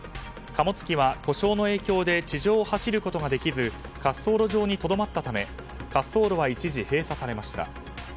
貨物機は故障の影響で地上を走ることができず滑走路上にとどまったため滑走路は一時閉鎖されました。